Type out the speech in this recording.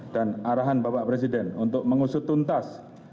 dan arahan bapak presiden untuk mengusut tuntas